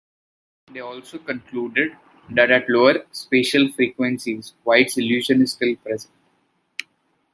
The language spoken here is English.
They also concluded that at lower spatial frequencies White's illusion is still present.